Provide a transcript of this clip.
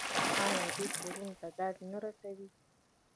آیا دوی کورونو ته ګاز نه رسوي؟